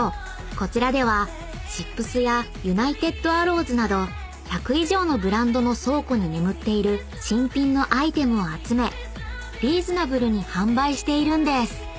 こちらではＳＨＩＰＳやＵＮＩＴＥＤＡＲＲＯＷＳなど１００以上のブランドの倉庫に眠っている新品のアイテムを集めリーズナブルに販売しているんです］